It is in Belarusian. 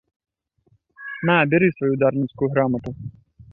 На, бяры сваю ўдарніцкую грамату.